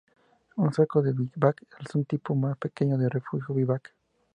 Un saco de vivac es un tipo más pequeño de refugio vivac.